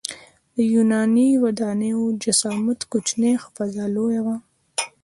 د یوناني ودانیو جسامت کوچنی خو فضا لویه وه.